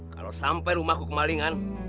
kalau sampai rumahku kemalingan